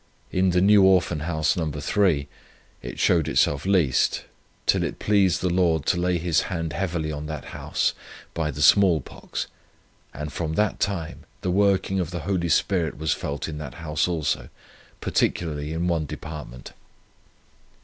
In the New Orphan House No. 3, it showed itself least, till it pleased the Lord to lay His hand heavily on that house, by the small pox; and, from that time the working of the Holy Spirit was felt in that house also, particularly in one department.